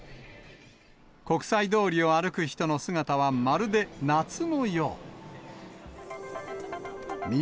国際通りを歩く人の姿はまるで夏のよう。